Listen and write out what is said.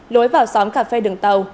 lối vào xóm cà phê đường tàu